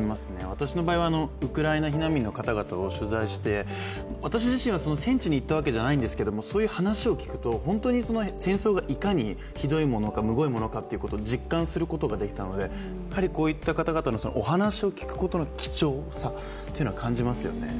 私の場合、ウクライナ避難民の方々を取材して、私自身は戦地に行ったわけじゃないですけどそういう話を聞くと、本当に戦争がいかにひどいものか、むごいものかを実感することができたのでこういった方々のお話を聞くことの貴重さというのは感じますよね。